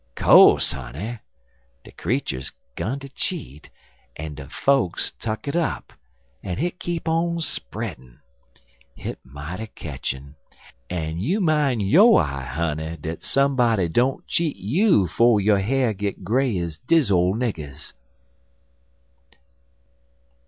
"Co'se, honey. De creeturs 'gun ter cheat, en den fokes tuck it up, en hit keep on spreadin'. Hit mighty ketchin', en you mine yo' eye, honey, dat somebody don't cheat you 'fo' yo' ha'r git gray ez de ole nigger's."